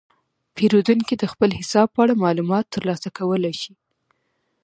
پیرودونکي د خپل حساب په اړه معلومات ترلاسه کولی شي.